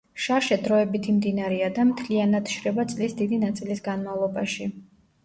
შაშე დროებითი მდინარეა და მთლიანად შრება წლის დიდი ნაწილის განმავლობაში.